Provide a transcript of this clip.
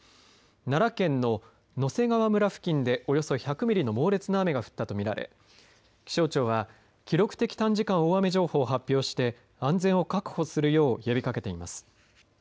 奈良県の野迫川村付近でおよそ１００ミリの猛烈な雨が降ったと見られ気象庁は記録的短時間大雨情報を発表して安全を確保するよう呼びかけています。